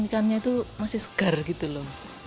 ikannya itu masih segar gitu loh